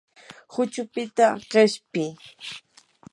huchupita qishpi.